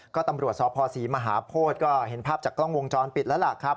ก็ตำรวจสภศรีมหาโพธิก็เห็นภาพจากกล้องวงจรปิดแล้วล่ะครับ